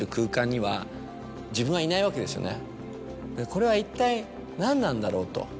これは一体何なんだろう？と。